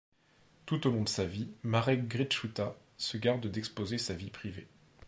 Tout au long de sa vie, Marek Grechuta se garde d'exposer sa vie privée.